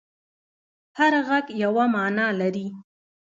هر غږ یوه معنی لري.